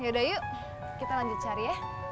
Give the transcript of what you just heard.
yaudah yuk kita lanjut cari ya